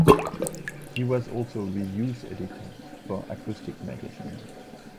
He was also reviews editor for "Acoustic" magazine.